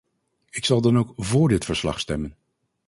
Ik zal dan ook vóór dit verslag stemmen.